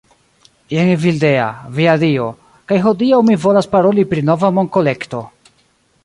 Jen Evildea. Via Dio. kaj hodiaŭ mi volas paroli pri nova monkolekto